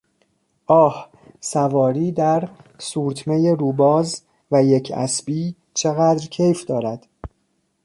آه، سواری در سورتمهی رو باز و یک اسبی چقدر کیف دارد!